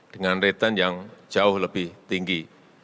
dengan return yang jauh lebih tinggi